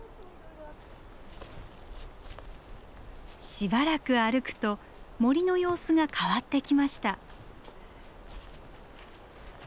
しばらく歩くと森の様子が変わってきました。